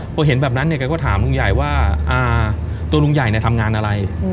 พอเห็นแบบนั้นเนี่ยแกก็ถามลุงใหญ่ว่าตัวลุงใหญ่ทำงานอะไร